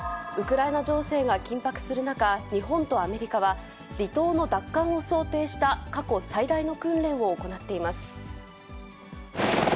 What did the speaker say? ウクライナ情勢が緊迫する中、日本とアメリカは、離島の奪還を想定した過去最大の訓練を行っています。